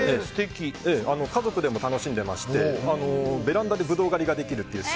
家族でも楽しんでましてベランダでブドウ狩りができるという。